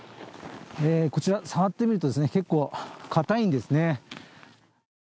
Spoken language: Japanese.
こちら、触ってみると、結構かたいんですね。